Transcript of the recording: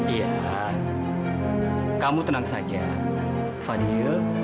iya kamu tenang saja fadil